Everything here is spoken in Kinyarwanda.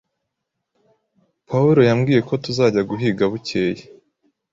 Paolo yambwiye ko tuzajya guhiga bukeye.